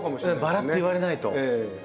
バラって言われないと。